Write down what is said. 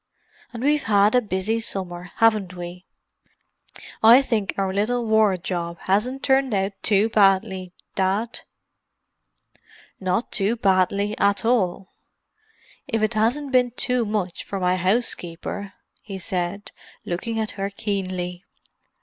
And we've had a busy summer, haven't we? I think our little war job hasn't turned out too badly, Dad." "Not too badly at all—if it hasn't been too much for my housekeeper," he said, looking at her keenly.